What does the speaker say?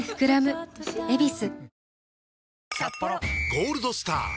「ゴールドスター」！